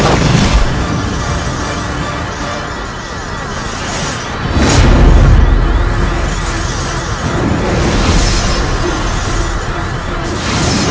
aku ingin menginjau